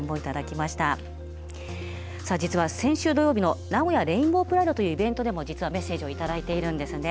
さあ実は先週土曜日の名古屋レインボープライドというイベントでも実はメッセージを頂いているんですね。